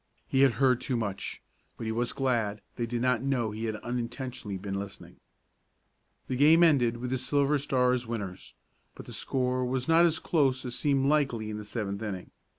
He had heard too much, but he was glad they did not know he had unintentionally been listening. The game ended with the Silver Stars winners, but the score was not as close as seemed likely in the seventh inning.